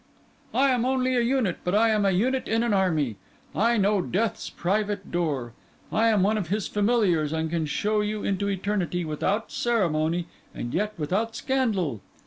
I am only a unit, but I am a unit in an army. I know Death's private door. I am one of his familiars, and can show you into eternity without ceremony and yet without scandal."